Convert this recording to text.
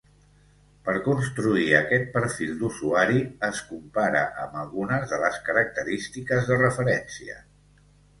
Per construir aquest perfil d'usuari es compara amb algunes de les característiques de referència.